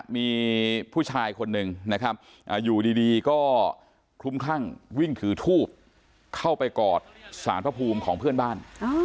มีผู้ชายคนหนึ่งนะครับอยู่ดีก็คลุมคลั่งวิ่งถือทูบเข้าไปกอดสารพระภูมิของเพื่อนบ้าน